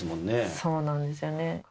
そうなんですよね。